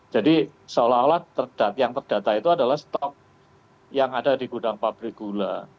jadi seolah olah yang terdata itu adalah stok yang ada di gudang pabrik gula